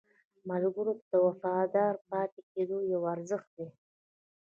ملګری ته وفادار پاتې کېدل یو ارزښت دی